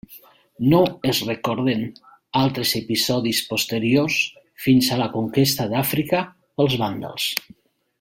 No es recorden altres episodis posteriors fins a la conquesta d'Àfrica pels vàndals.